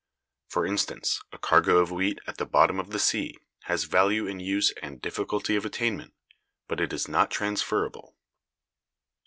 For instance, a cargo of wheat at the bottom of the sea has value in use and difficulty of attainment, but it is not transferable.